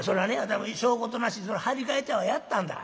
私もしょうことなしに貼り替えてはやったんだ。